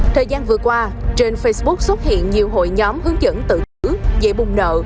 thời gian vừa qua trên facebook xuất hiện nhiều hội nhóm hướng dẫn tự tử dạy bục nợ